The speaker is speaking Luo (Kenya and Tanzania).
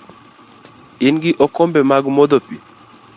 Ingi okombe mag modho pi?